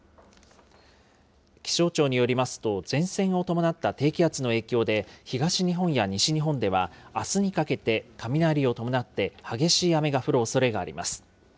気象庁によりますと、前線を伴った低気圧の影響で、東日本や西日本ではあすにかけて雷を伴って激しい雨が降るおそれがあります。